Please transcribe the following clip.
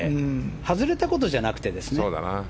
外れたことじゃなくてですね。